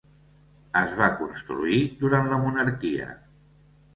Es va construir durant la monarquia.